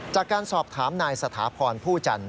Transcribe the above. จากการสอบถามนายสถาพรผู้จันท